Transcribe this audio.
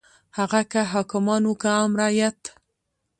هغه که حاکمان وو که عام رعیت.